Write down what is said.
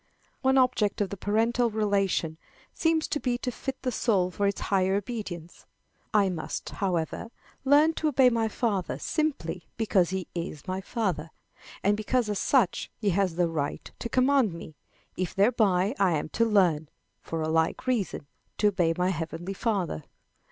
One object of the parental relation seems to be to fit the soul for this higher obedience. I must, however, learn to obey my father simply because he is my father, and because as such he has the right to command me, if thereby I am to learn, for a like reason, to obey my heavenly Father.